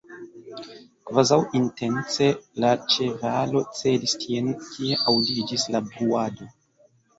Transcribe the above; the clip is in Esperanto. Kvazaŭ intence, la ĉevalo celis tien, kie aŭdiĝis la bruado.